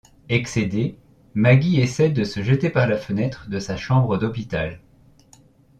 Excédée, Maggie essaie de se jeter de la fenêtre de sa chambre d'hôpital.